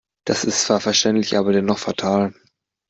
Das ist zwar verständlich, aber dennoch fatal.